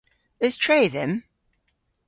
Eus tre dhymm?